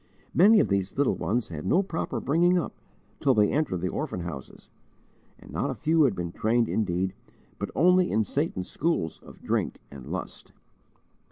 Many of these little ones had no proper bringing up till they entered the orphan houses; and not a few had been trained indeed, but only in Satan's schools of drink and lust.